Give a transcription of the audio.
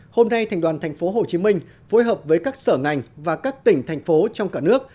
hôm nay thành đoàn thành phố hồ chí minh phối hợp với các sở ngành và các tỉnh thành phố trong cả nước